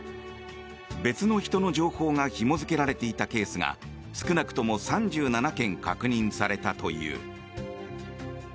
別の人の情報がひも付けられていたケースが少なくとも３７件確認されたという。